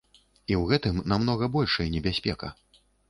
І ў гэтым намнога большая небяспека.